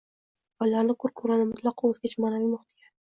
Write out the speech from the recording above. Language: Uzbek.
va ularni ko‘r-ko‘rona, mutlaqo o‘zgacha ma’naviy muhitga